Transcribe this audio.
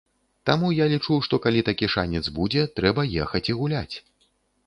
Таму я лічу, што калі такі шанец будзе, трэба ехаць і гуляць.